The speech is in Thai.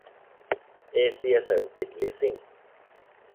เอเซียเสริมกิจลีสซิ่ง